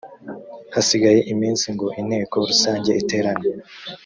hasigaye iminsi ngo inteko rusange iterane